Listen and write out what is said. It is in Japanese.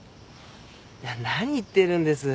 いや何言ってるんです。